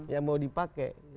yang mau dipakai